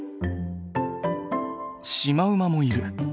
シマウマもいる！